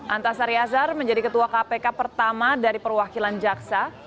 antasari azhar menjadi ketua kpk pertama dari perwakilan jaksa